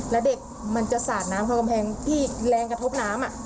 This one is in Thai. แล้วเด็กมันจะสาดน้ำเข้ากำแพงที่แรงกระทบน้ำ